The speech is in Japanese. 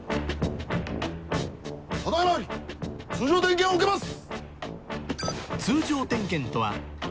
ただ今より通常点検を受けます！